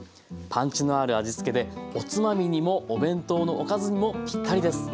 パンチのある味付けでおつまみにもお弁当のおかずにもぴったりです。